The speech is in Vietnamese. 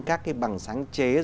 các bằng sáng chế